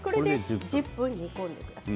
１０分煮込んでください。